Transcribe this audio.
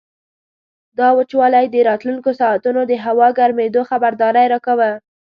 دا وچوالی د راتلونکو ساعتونو د هوا ګرمېدو خبرداری راکاوه.